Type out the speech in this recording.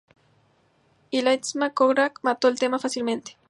Y la Eastman Kodak mató el tema fácilmente.